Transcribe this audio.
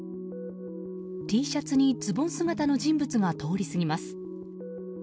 Ｔシャツにズボン姿の人物が通り過ぎます。